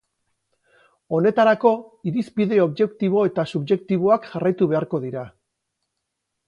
Honetarako, irizpide objektibo eta subjektiboak jarraitu beharko dira.